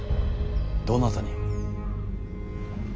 どなたに。